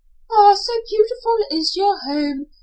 "Ah! So beautiful is your home!